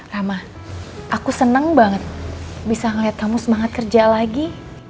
rama aku senang banget bisa ngeliat kamu semangat kerja lagi